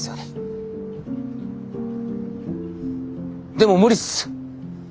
でも無理っす。